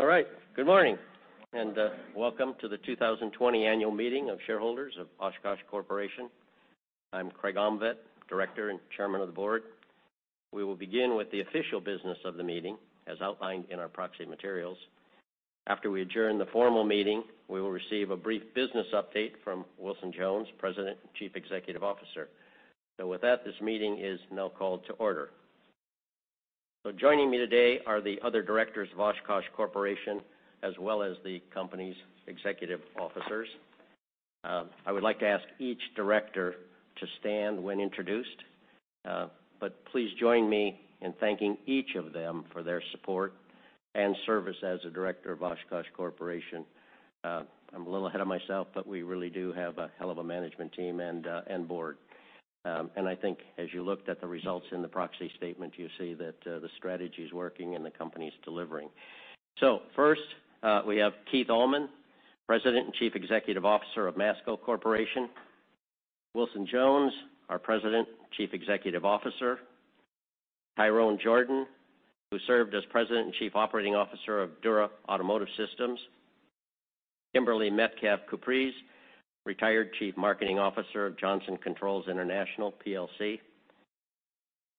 All right, good morning, and welcome to the 2020 Annual Meeting of Shareholders of Oshkosh Corporation. I'm Craig Omtvedt, Director and Chairman of the Board. We will begin with the official business of the meeting, as outlined in our proxy materials. After we adjourn the formal meeting, we will receive a brief business update from Wilson Jones, President and Chief Executive Officer. So with that, this meeting is now called to order. Joining me today are the other directors of Oshkosh Corporation, as well as the company's executive officers. I would like to ask each director to stand when introduced, but please join me in thanking each of them for their support and service as a director of Oshkosh Corporation. I'm a little ahead of myself, but we really do have a hell of a management team and board. I think as you looked at the results in the proxy statement, you see that the strategy is working and the company's delivering. So first, we have Keith Allman, President and Chief Executive Officer of Masco Corporation. Wilson Jones, our President and Chief Executive Officer. Tyrone Jordan, who served as President and Chief Operating Officer of Dura Automotive Systems. Kimberly Metcalf-Kupres, retired Chief Marketing Officer of Johnson Controls International PLC.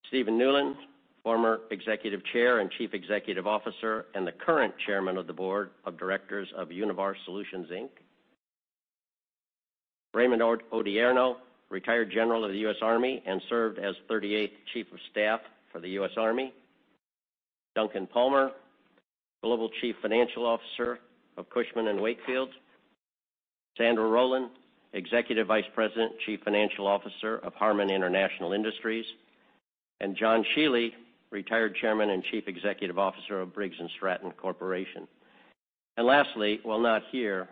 Stephen Newlin, former Executive Chair and Chief Executive Officer, and the current Chairman of the Board of Directors of Univar Solutions, Inc. Raymond Odierno, retired General of the U.S. Army and served as 38th Chief of Staff for the U.S. Army. Duncan Palmer, Global Chief Financial Officer of Cushman & Wakefield. Sandra Rowland, Executive Vice President, Chief Financial Officer of Harman International Industries. And John Shiely, retired Chairman and Chief Executive Officer of Briggs & Stratton Corporation. And lastly, while not here,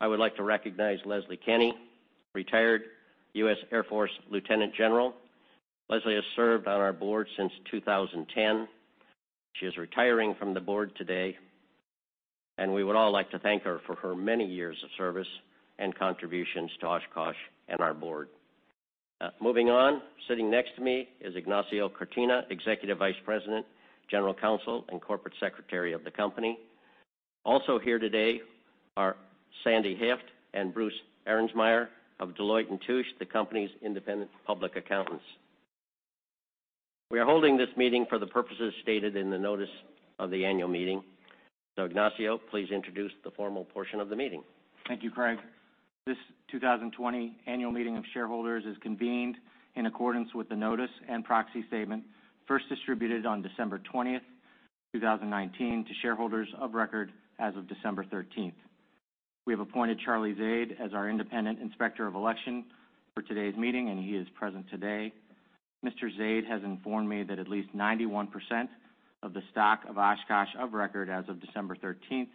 I would like to recognize Leslie Kenne, retired U.S. Air Force Lieutenant General. Leslie has served on our board since 2010. She is retiring from the board today, and we would all like to thank her for her many years of service and contributions to Oshkosh and our board. Moving on, sitting next to me is Ignacio Cortina, Executive Vice President, General Counsel, and Corporate Secretary of the company. Also here today are Sandy Heft and Bruce Ehrenstrom of Deloitte & Touche, the company's independent public accountants. We are holding this meeting for the purposes stated in the notice of the annual meeting. So Ignacio, please introduce the formal portion of the meeting. Thank you, Craig. This 2020 Annual Meeting of Shareholders is convened in accordance with the notice and proxy statement first distributed on December 20, 2019, to shareholders of record as of December 13. We have appointed Charles Zidek as our independent Inspector of Election for today's meeting, and he is present today. Mr. Zidek has informed me that at least 91% of the stock of Oshkosh, of record as of December 13,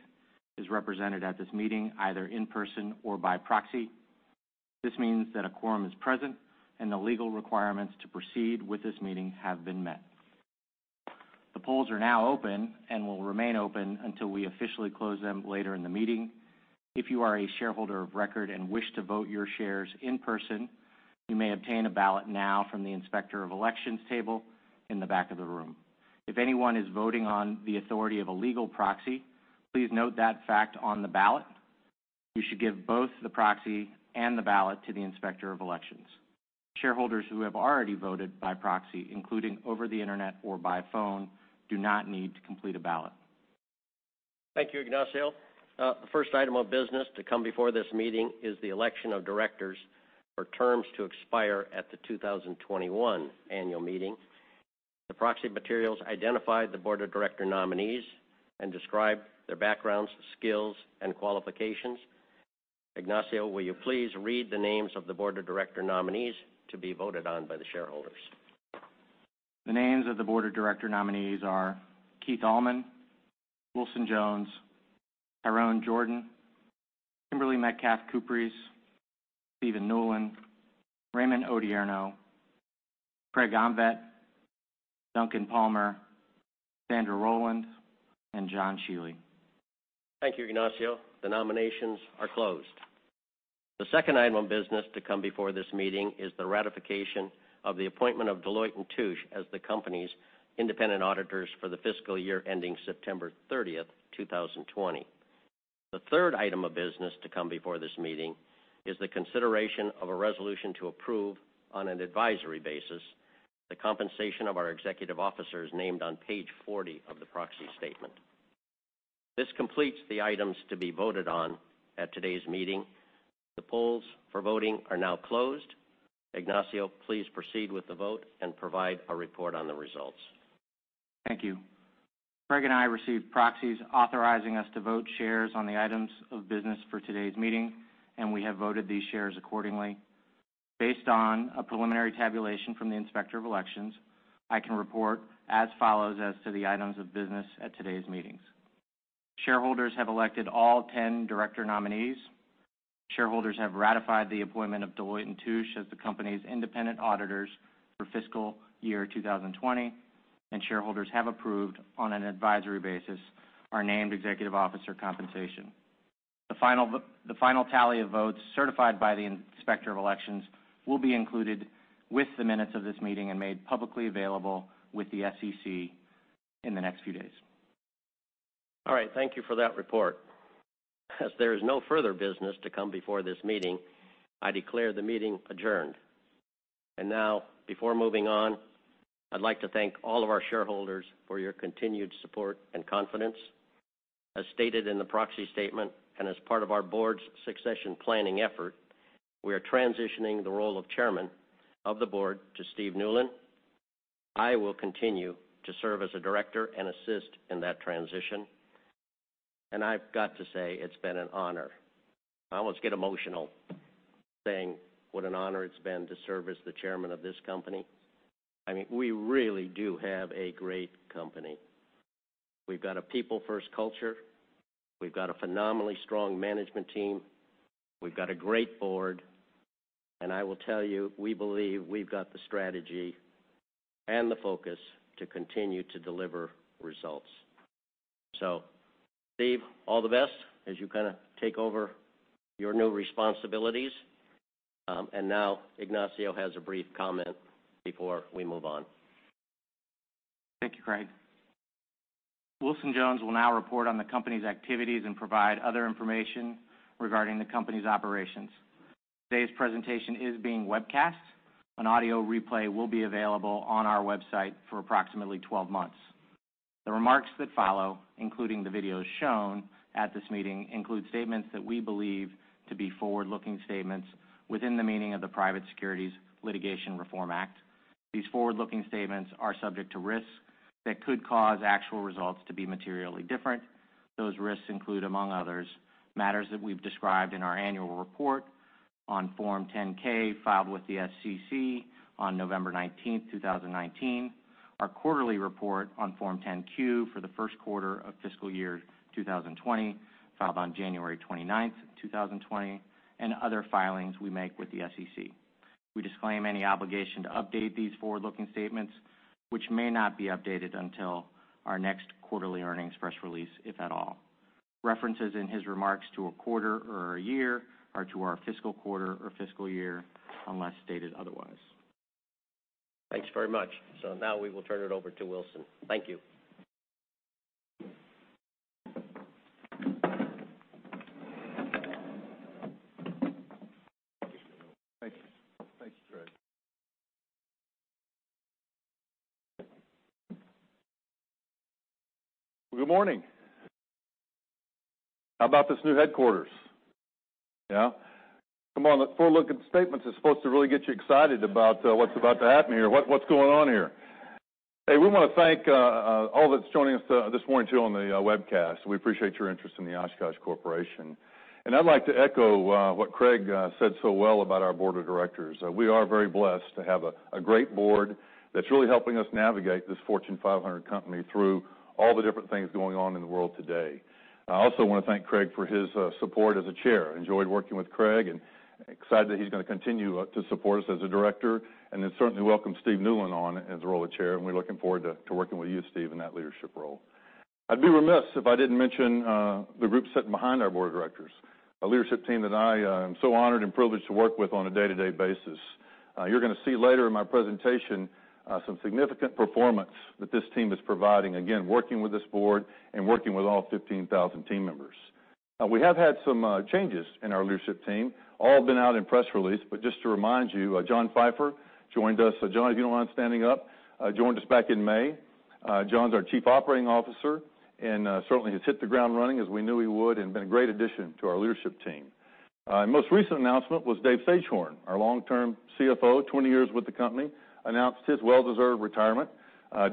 is represented at this meeting, either in person or by proxy. This means that a quorum is present and the legal requirements to proceed with this meeting have been met. The polls are now open and will remain open until we officially close them later in the meeting. If you are a shareholder of record and wish to vote your shares in person, you may obtain a ballot now from the Inspector of Election table in the back of the room. If anyone is voting on the authority of a legal proxy, please note that fact on the ballot. You should give both the proxy and the ballot to the Inspector of Election. Shareholders who have already voted by proxy, including over the internet or by phone, do not need to complete a ballot. Thank you, Ignacio. The first item of business to come before this meeting is the election of directors for terms to expire at the 2021 annual meeting. The proxy materials identify the board of director nominees and describe their backgrounds, skills, and qualifications. Ignacio, will you please read the names of the board of director nominees to be voted on by the shareholders? The names of the board of director nominees are Keith Allman, Wilson Jones, Tyrone Jordan, Kimberly Metcalf-Kupres, Stephen Newlin, Raymond Odierno, Craig Omtvedt, Duncan Palmer, Sandra Rowland, and John Shiely. Thank you, Ignacio. The nominations are closed. The second item of business to come before this meeting is the ratification of the appointment of Deloitte & Touche as the company's independent auditors for the fiscal year ending September thirtieth, two thousand and twenty. The third item of business to come before this meeting is the consideration of a resolution to approve, on an advisory basis, the compensation of our executive officers named on page 40 of the Proxy Statement. This completes the items to be voted on at today's meeting. The polls for voting are now closed. Ignacio, please proceed with the vote and provide a report on the results. Thank you. Craig and I received proxies authorizing us to vote shares on the items of business for today's meeting, and we have voted these shares accordingly. Based on a preliminary tabulation from the Inspector of Elections, I can report as follows as to the items of business at today's meetings. Shareholders have elected all 10 director nominees. Shareholders have ratified the appointment of Deloitte & Touche as the company's independent auditors for fiscal year 2020, and shareholders have approved, on an advisory basis, our named executive officer compensation.... The final tally of votes certified by the Inspector of Elections will be included with the minutes of this meeting and made publicly available with the SEC in the next few days. All right, thank you for that report. As there is no further business to come before this meeting, I declare the meeting adjourned. And now, before moving on, I'd like to thank all of our shareholders for your continued support and confidence. As stated in the proxy statement, and as part of our board's succession planning effort, we are transitioning the role of Chairman of the Board to Steve Newlin. I will continue to serve as a director and assist in that transition. And I've got to say, it's been an honor. I almost get emotional, saying what an honor it's been to serve as the chairman of this company. I mean, we really do have a great company. We've got a people-first culture. We've got a phenomenally strong management team. We've got a great board, and I will tell you, we believe we've got the strategy and the focus to continue to deliver results. So Steve, all the best as you kind of take over your new responsibilities. And now, Ignacio has a brief comment before we move on. Thank you, Craig. Wilson Jones will now report on the company's activities and provide other information regarding the company's operations. Today's presentation is being webcast. An audio replay will be available on our website for approximately 12 months. The remarks that follow, including the videos shown at this meeting, include statements that we believe to be forward-looking statements within the meaning of the Private Securities Litigation Reform Act. These forward-looking statements are subject to risks that could cause actual results to be materially different. Those risks include, among others, matters that we've described in our annual report on Form 10-K, filed with the SEC on November 19, 2019, our quarterly report on Form 10-Q for the first quarter of fiscal year 2020, filed on January 29, 2020, and other filings we make with the SEC. We disclaim any obligation to update these forward-looking statements, which may not be updated until our next quarterly earnings press release, if at all. References in his remarks to a quarter or a year are to our fiscal quarter or fiscal year, unless stated otherwise. Thanks very much. Now we will turn it over to Wilson. Thank you. Thank you. Thank you, Craig. Good morning! How about this new headquarters? Yeah. Come on, the forward-looking statements is supposed to really get you excited about, what's about to happen here, what, what's going on here. Hey, we want to thank all that's joining us this morning, too, on the webcast. We appreciate your interest in the Oshkosh Corporation. And I'd like to echo what Craig said so well about our board of directors. We are very blessed to have a great board that's really helping us navigate this Fortune 500 company through all the different things going on in the world today. I also want to thank Craig for his support as a chair. I enjoyed working with Craig and excited that he's going to continue to support us as a director, and then certainly welcome Steve Newlin on as the role of chair, and we're looking forward to working with you, Steve, in that leadership role. I'd be remiss if I didn't mention the group sitting behind our board of directors, a leadership team that I am so honored and privileged to work with on a day-to-day basis. You're going to see later in my presentation some significant performance that this team is providing, again, working with this board and working with all 15,000 team members. Now, we have had some changes in our leadership team, all been out in press release, but just to remind you John Pfeifer joined us. So John, if you don't mind standing up, joined us back in May. John's our Chief Operating Officer, and certainly has hit the ground running as we knew he would, and been a great addition to our leadership team. Our most recent announcement was Dave Sagehorn, our long-term CFO, 20 years with the company, announced his well-deserved retirement.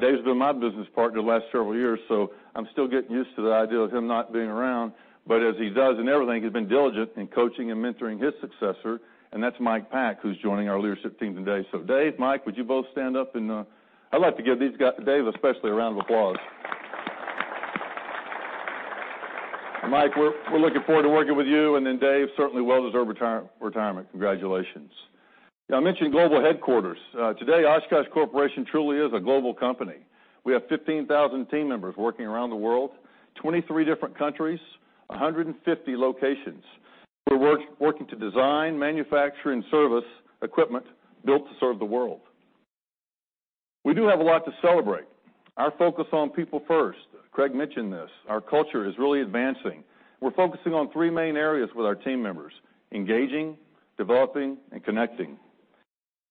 Dave's been my business partner the last several years, so I'm still getting used to the idea of him not being around. But as he does in everything, he's been diligent in coaching and mentoring his successor, and that's Mike Pack, who's joining our leadership team today. So Dave, Mike, would you both stand up? I'd like to give these guys, Dave, especially, a round of applause. Mike, we're looking forward to working with you, and then Dave, certainly well-deserved retirement. Congratulations. I mentioned global headquarters. Today, Oshkosh Corporation truly is a global company. We have 15,000 team members working around the world, 23 different countries, 150 locations. We're working to design, manufacture, and service equipment built to serve the world. We do have a lot to celebrate. Our focus on people first, Craig mentioned this, our culture is really advancing. We're focusing on three main areas with our team members: engaging, developing, and connecting.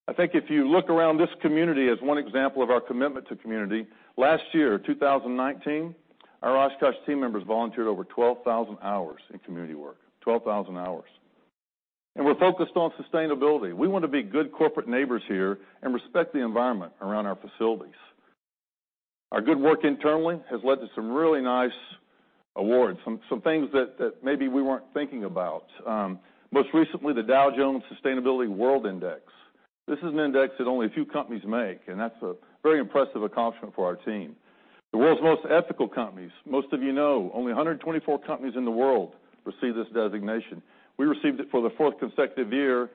I think if you look around this community as one example of our commitment to community, last year, 2019, our Oshkosh team members volunteered over 12,000 hours in community work, 12,000 hours. We're focused on sustainability. We want to be good corporate neighbors here and respect the environment around our facilities. Our good work internally has led to some really nice awards, some things that maybe we weren't thinking about. Most recently, the Dow Jones Sustainability World Index. This is an index that only a few companies make, and that's a very impressive accomplishment for our team. The World's Most Ethical Companies, most of you know, only 124 companies in the world receive this designation. We received it for the fourth consecutive year,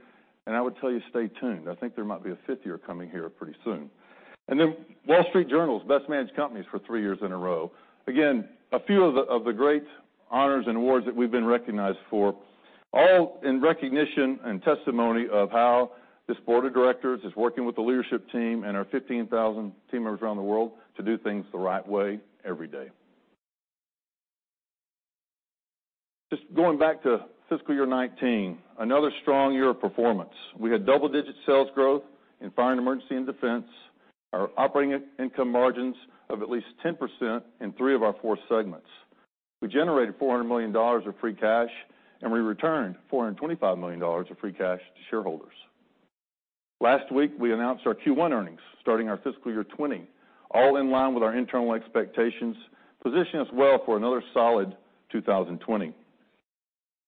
and I would tell you, stay tuned. I think there might be a fifth year coming here pretty soon... And then Wall Street Journal's Best Managed Companies for three years in a row. Again, a few of the great honors and awards that we've been recognized for, all in recognition and testimony of how this board of directors is working with the leadership team and our 15,000 team members around the world to do things the right way every day. Just going back to fiscal year 2019, another strong year of performance. We had double-digit sales growth in fire and emergency and defense, our operating income margins of at least 10% in three of our four segments. We generated $400 million of free cash, and we returned $425 million of free cash to shareholders. Last week, we announced our Q1 earnings, starting our fiscal year 2020, all in line with our internal expectations, positioning us well for another solid 2020.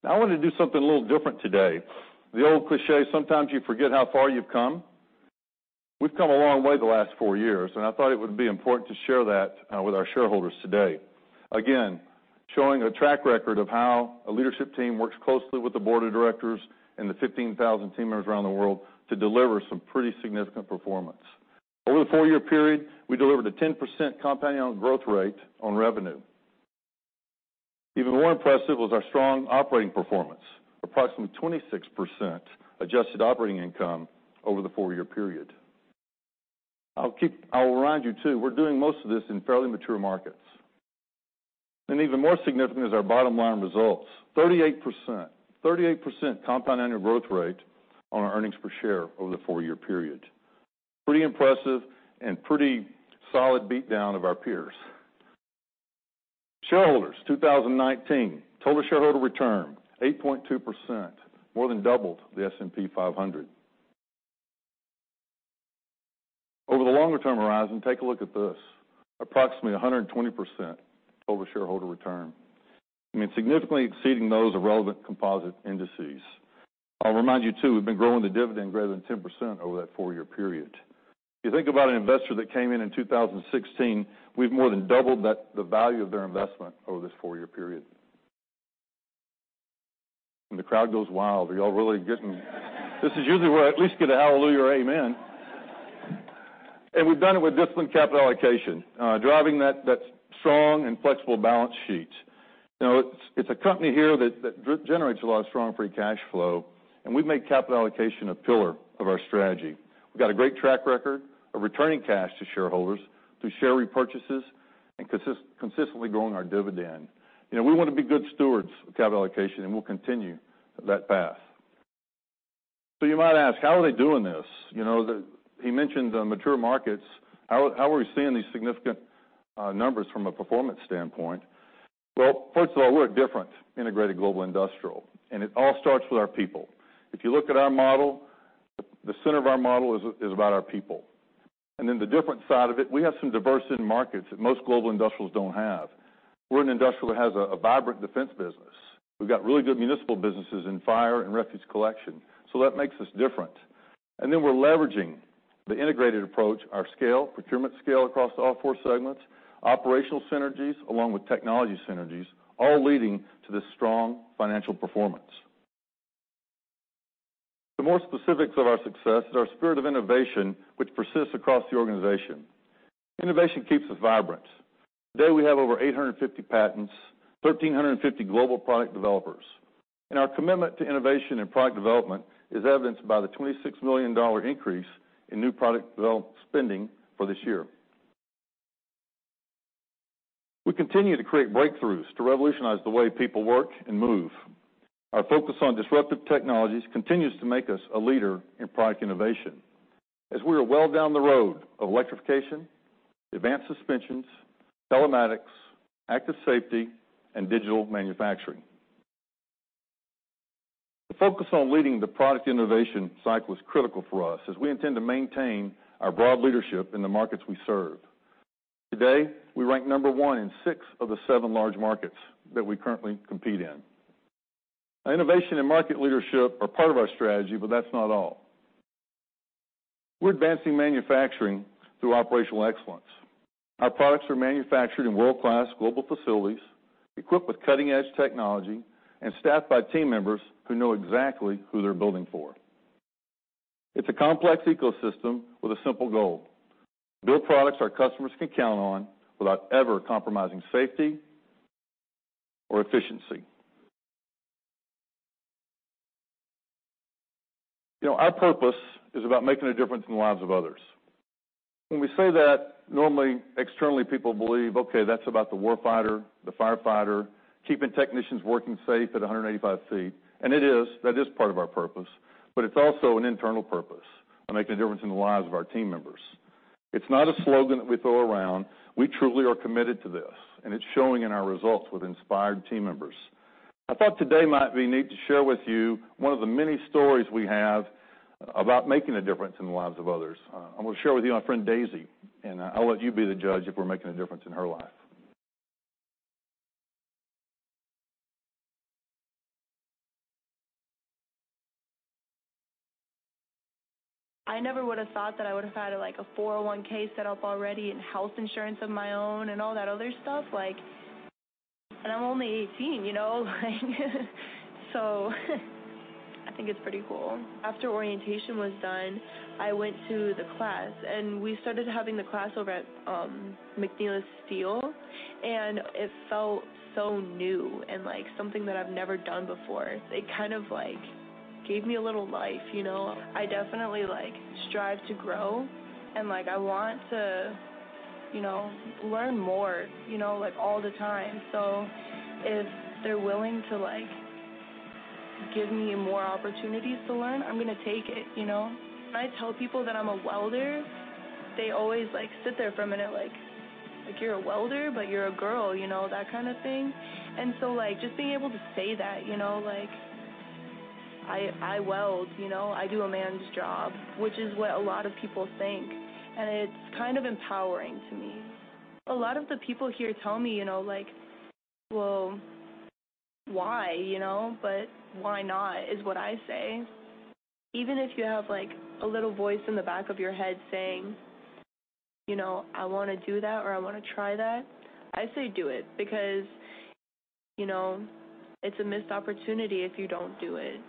Now, I want to do something a little different today. The old cliché, sometimes you forget how far you've come. We've come a long way the last four years, and I thought it would be important to share that with our shareholders today. Again, showing a track record of how a leadership team works closely with the board of directors and the 15,000 team members around the world to deliver some pretty significant performance. Over the four-year period, we delivered a 10% compound annual growth rate on revenue. Even more impressive was our strong operating performance, approximately 26% adjusted operating income over the four-year period. I'll remind you, too, we're doing most of this in fairly mature markets. And even more significant is our bottom-line results, 38%, 38% compound annual growth rate on our earnings per share over the four-year period. Pretty impressive and pretty solid beat down of our peers. Shareholders, 2019, total shareholder return, 8.2%, more than double the S&P 500. Over the longer-term horizon, take a look at this, approximately 120% total shareholder return. I mean, significantly exceeding those of relevant composite indices. I'll remind you, too, we've been growing the dividend greater than 10% over that four-year period. If you think about an investor that came in in 2016, we've more than doubled that, the value of their investment over this four-year period. And the crowd goes wild. Are you all really getting-? This is usually where I at least get a hallelujah or amen. And we've done it with disciplined capital allocation, driving that strong and flexible balance sheet. You know, it's a company here that generates a lot of strong free cash flow, and we've made capital allocation a pillar of our strategy. We've got a great track record of returning cash to shareholders through share repurchases and consistently growing our dividend. You know, we want to be good stewards of capital allocation, and we'll continue that path. So you might ask, how are they doing this? You know, he mentioned the mature markets. How are we seeing these significant numbers from a performance standpoint? Well, first of all, we're a different integrated global industrial, and it all starts with our people. If you look at our model, the center of our model is about our people. And then the different side of it, we have some diversity in markets that most global industrials don't have. We're an industrial that has a vibrant defense business. We've got really good municipal businesses in fire and refuse collection, so that makes us different. And then we're leveraging the integrated approach, our scale, procurement scale across all four segments, operational synergies, along with technology synergies, all leading to this strong financial performance. The more specifics of our success is our spirit of innovation, which persists across the organization. Innovation keeps us vibrant. Today, we have over 850 patents, 1,350 global product developers, and our commitment to innovation and product development is evidenced by the $26 million increase in new product development spending for this year. We continue to create breakthroughs to revolutionize the way people work and MOVE. Our focus on disruptive technologies continues to make us a leader in product innovation as we are well down the road of electrification, advanced suspensions, telematics, active safety, and digital manufacturing. The focus on leading the product innovation cycle is critical for us as we intend to maintain our broad leadership in the markets we serve. Today, we rank number one in six of the seven large markets that we currently compete in. Innovation and market leadership are part of our strategy, but that's not all. We're advancing manufacturing through operational excellence. Our products are manufactured in world-class global facilities, equipped with cutting-edge technology, and staffed by team members who know exactly who they're building for. It's a complex ecosystem with a simple goal: build products our customers can count on without ever compromising safety or efficiency. You know, our purpose is about making a difference in the lives of others. When we say that, normally, externally, people believe, okay, that's about the war fighter, the firefighter, keeping technicians working safe at 185 feet. And it is, that is part of our purpose, but it's also an internal purpose of making a difference in the lives of our team members. It's not a slogan that we throw around. We truly are committed to this, and it's showing in our results with inspired team members. I thought today might be neat to share with you one of the many stories we have about making a difference in the lives of others. I'm going to share with you our friend, Daisy, and I'll let you be the judge if we're making a difference in her life. I never would have thought that I would have had, like, a 401(k) set up already and health insurance of my own and all that other stuff. Like, and I'm only 18, you know? So I think it's pretty cool. After orientation was done, I went to the class, and we started having the class over at McNeilus Steel, and it felt so new and like something that I've never done before. It kind of, like, gave me a little life, you know? I definitely, like, strive to grow, and, like, I want to, you know, learn more, you know, like, all the time. So if they're willing to, like, give me more opportunities to learn, I'm gonna take it, you know? When I tell people that I'm a welder, they always, like, sit there for a minute, like, "Like, you're a welder, but you're a girl," you know, that kind of thing. And so, like, just being able to say that, you know, like, "I, I weld," you know, "I do a man's job," which is what a lot of people think, and it's kind of empowering to me. A lot of the people here tell me, you know, like, "Well, why?" You know? But, "Why not?" is what I say. Even if you have, like, a little voice in the back of your head saying, you know, "I wanna do that," or, "I wanna try that," I say, do it, because, you know, it's a missed opportunity if you don't do it.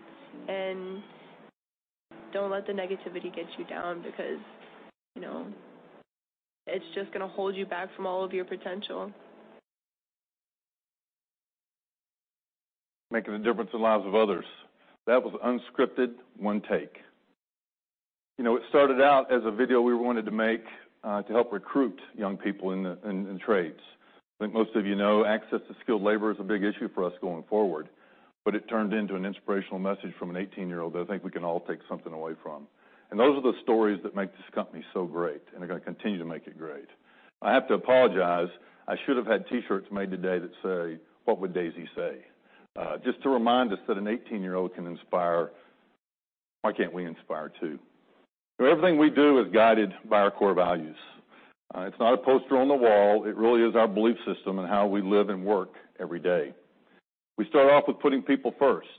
Don't let the negativity get you down because, you know, it's just gonna hold you back from all of your potential.... Making a difference in the lives of others. That was unscripted, one take. You know, it started out as a video we wanted to make, to help recruit young people in the trades. I think most of you know, access to skilled labor is a big issue for us going forward. But it turned into an inspirational message from an 18-year-old that I think we can all take something away from, and those are the stories that make this company so great, and they're gonna continue to make it great. I have to apologize. I should have had T-shirts made today that say, "What would Daisy say?" Just to remind us that an 18-year-old can inspire, why can't we inspire, too? So everything we do is guided by our core values. It's not a poster on the wall. It really is our belief system and how we live and work every day. We start off with putting people first.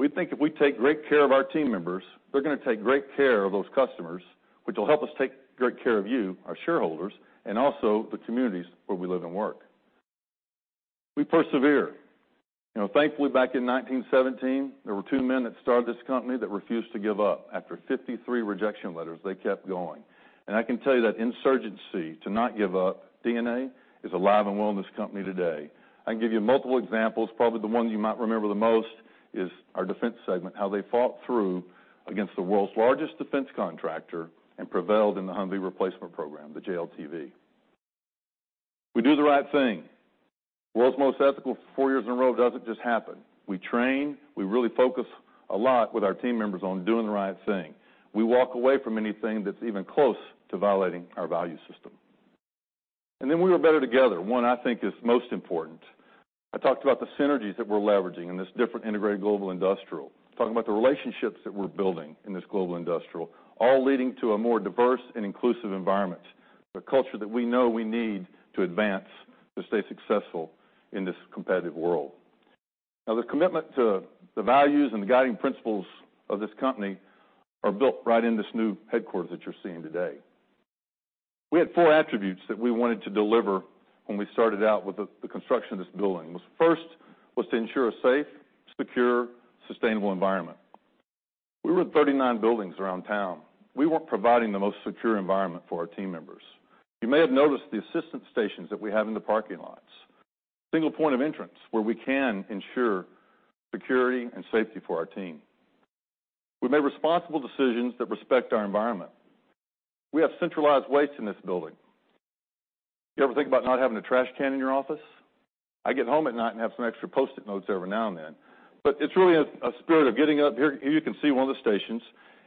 We think if we take great care of our team members, they're gonna take great care of those customers, which will help us take great care of you, our shareholders, and also the communities where we live and work. We persevere. You know, thankfully, back in 1917, there were two men that started this company that refused to give up. After 53 rejection letters, they kept going, and I can tell you that insurgency, to not give up, DNA, is alive and well in this company today. I can give you multiple examples. Probably the one you might remember the most is our defense segment, how they fought through against the world's largest defense contractor and prevailed in the Humvee replacement program, the JLTV. We do the right thing. World's Most Ethical four years in a row doesn't just happen. We train. We really focus a lot with our team members on doing the right thing. We walk away from anything that's even close to violating our value system. And then we are better together, one I think is most important. I talked about the synergies that we're leveraging in this different integrated global industrial. Talking about the relationships that we're building in this global industrial, all leading to a more diverse and inclusive environment, the culture that we know we need to advance to stay successful in this competitive world. Now, the commitment to the values and the guiding principles of this company are built right in this new headquarters that you're seeing today. We had four attributes that we wanted to deliver when we started out with the, the construction of this building. Was first, was to ensure a safe, secure, sustainable environment. We were in 39 buildings around town. We weren't providing the most secure environment for our team members. You may have noticed the assistance stations that we have in the parking lots. Single point of entrance, where we can ensure security and safety for our team. We made responsible decisions that respect our environment. We have centralized waste in this building. You ever think about not having a trash can in your office? I get home at night and have some extra Post-it notes every now and then, but it's really a, a spirit of getting up... Here, here you can see one of the stations,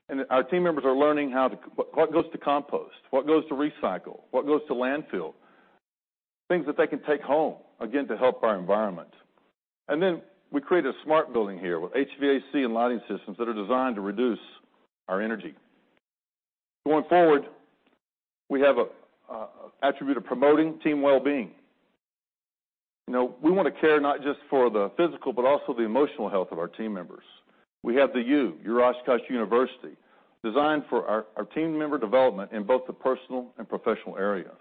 and our team members are learning how to... What goes to compost, what goes to recycle, what goes to landfill. Things that they can take home, again, to help our environment. And then, we created a smart building here, with HVAC and lighting systems that are designed to reduce our energy. Going forward, we have a attribute of promoting team well-being. You know, we want to care not just for the physical, but also the emotional health of our team members. We have the U, Oshkosh University, designed for our, our team member development in both the personal and professional areas.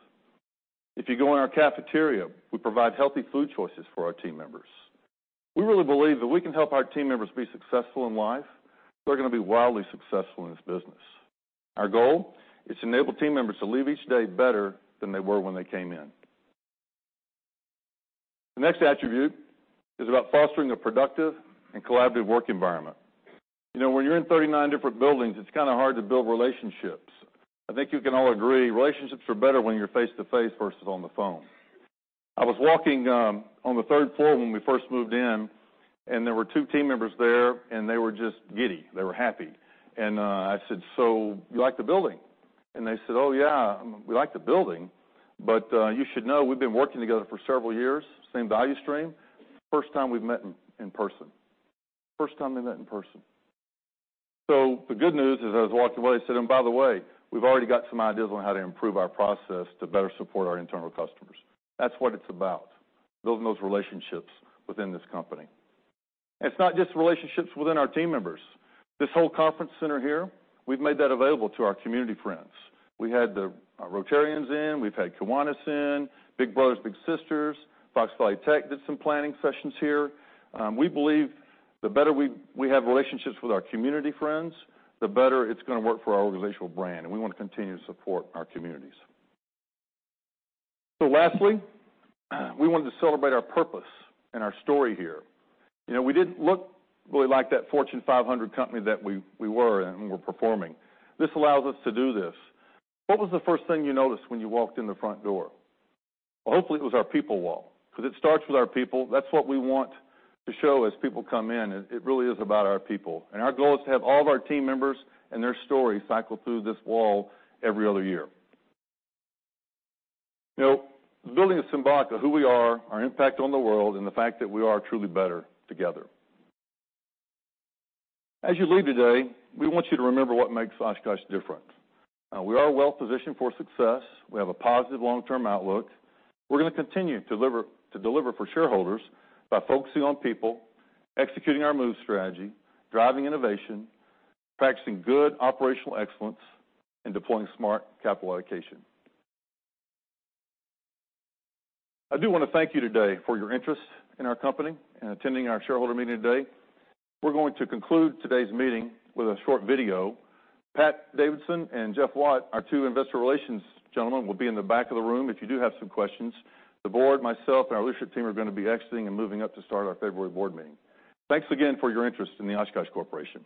If you go in our cafeteria, we provide healthy food choices for our team members. We really believe that if we can help our team members be successful in life, they're gonna be wildly successful in this business. Our goal is to enable team members to leave each day better than they were when they came in. The next attribute is about fostering a productive and collaborative work environment. You know, when you're in 39 different buildings, it's kind of hard to build relationships. I think you can all agree, relationships are better when you're face-to-face versus on the phone. I was walking on the third floor when we first moved in, and there were two team members there, and they were just giddy. They were happy. And I said, "So you like the building?" And they said, "Oh, yeah, we like the building, but you should know we've been working together for several years, same value stream. First time we've met in person." First time they met in person. So the good news as I was walking away, said, "And by the way, we've already got some ideas on how to improve our process to better support our internal customers." That's what it's about, building those relationships within this company. It's not just relationships within our team members. This whole conference center here, we've made that available to our community friends. We had the Rotarians in, we've had Kiwanis in, Big Brothers Big Sisters, Fox Valley Tech did some planning sessions here. We believe the better we have relationships with our community partners, the better it's gonna work for our organizational brand, and we want to continue to support our communities. So lastly, we wanted to celebrate our purpose and our story here. You know, we didn't look really like that Fortune 500 company that we were and we're performing. This allows us to do this. What was the first thing you noticed when you walked in the front door? Well, hopefully, it was our people wall, 'cause it starts with our people. That's what we want to show as people come in. It, it really is about our people, and our goal is to have all of our team members and their stories cycle through this wall every other year. You know, the building is symbolic of who we are, our impact on the world, and the fact that we are truly better together. As you leave today, we want you to remember what makes Oshkosh different. We are well-positioned for success. We have a positive long-term outlook. We're gonna continue to deliver, to deliver for shareholders by focusing on people, executing our MOVE strategy, driving innovation, practicing good operational excellence, and deploying smart capital allocation. I do want to thank you today for your interest in our company and attending our shareholder meeting today. We're going to conclude today's meeting with a short video. Pat Davidson and Jeff Watt, our two investor relations gentlemen, will be in the back of the room if you do have some questions. The board, myself, and our leadership team are gonna be exiting and moving up to start our February board meeting. Thanks again for your interest in the Oshkosh Corporation.